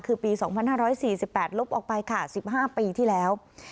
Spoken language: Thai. คือปี๒๕๔๘ลบออกไปค่ะ๑๕ปีที่แล้ว